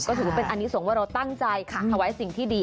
ก็ถือว่าเป็นอันนี้ส่งว่าเราตั้งใจถวายสิ่งที่ดี